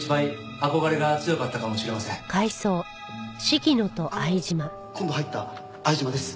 あの今度入った相島です。